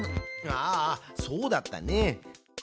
あそうだったね。